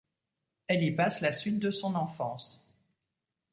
Elle y passe la suite de son enfance.